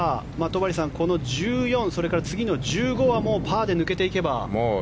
戸張さん、この１４それから次の１５ももうパーで抜けていけば。